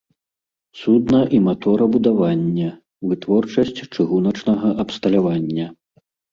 Судна- і маторабудаванне, вытворчасць чыгуначнага абсталявання.